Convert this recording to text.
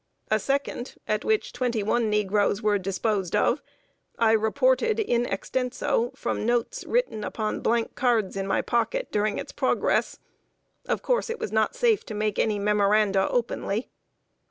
A second, at which twenty one negroes were disposed of, I reported, in extenso, from notes written upon blank cards in my pocket during its progress. Of course, it was not safe to make any memoranda openly.